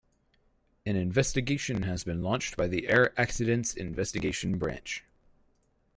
An investigation has been launched by the Air Accidents Investigation Branch.